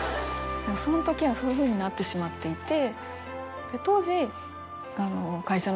そのときはそういうふうになってしまっていて。